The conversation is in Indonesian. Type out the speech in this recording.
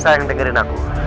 sayang dengerin aku